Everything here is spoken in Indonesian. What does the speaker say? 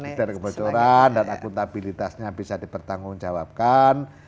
tidak ada kebocoran dan akuntabilitasnya bisa dipertanggungjawabkan